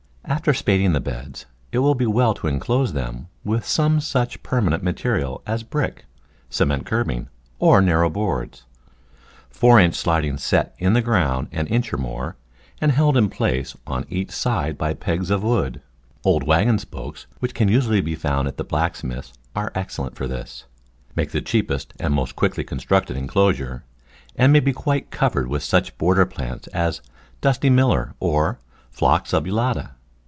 After spading the beds it will be well to inclose them with some such permanent material as brick, cement curbing, or narrow boards. Four inch siding set in the ground an inch or more, and held in place on each side by pegs of wood (old waggon spokes, which can usually be found at the blacksmith's, are excellent for this), make the cheapest and most quickly constructed inclosure, and may be quite cov ered with such border plants as Dusty miller or Phlox subulata.